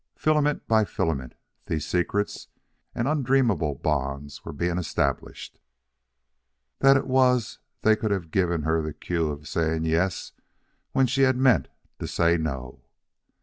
Filament by filament, these secret and undreamable bonds were being established. They it was that could have given the cue to her saying yes when she had meant to say no.